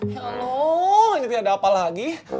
ya allah nanti ada apa lagi